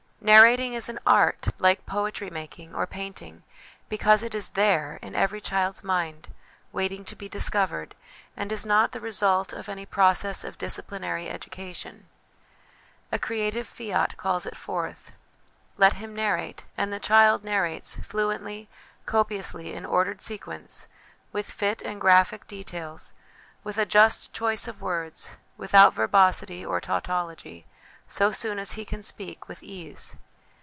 Narrating is an art, like poetry making or painting, because it is there, in every child's mind, waiting to be discovered, and is not the result of any process of disciplinary education. A creative fiat calls it forth. ' Let him narrate'; and the child narrates, fluently, copiously, in ordered sequence, with fit and graphic details, with a just choice of words, without verbosity or tautology, so soon as he can speak with ease.